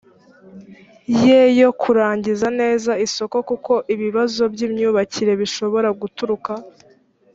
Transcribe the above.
ye yo kurangiza neza isoko kuko ibibazo by imyubakire bishobora guturuka